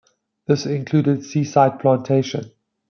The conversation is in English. This included Seaside Plantation.